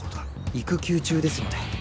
育休中ですので。